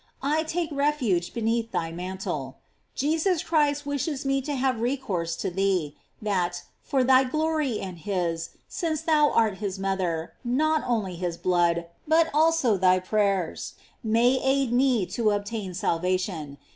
I take refuge beneath thy mantle. Jesus Christ wishes me to have recourse to thee, that, for thy glory and his, since thou art his mother, not only his blood, but also thy prayers, may aid me to obtain salvation.